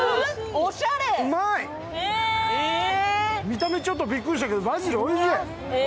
見た目ちょっとびっくりしたけどバジル、おいしい。